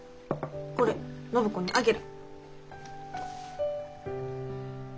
これ暢子にあげる。